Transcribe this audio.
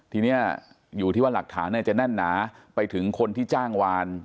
ทีนี้อยู่ที่ว่าหลักฐานจะแน่นหนาไปถึงคนที่จ้างวาน